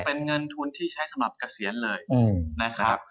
เป็นเงินทุนที่ใช้สำหรับเกษียณเลยนะครับ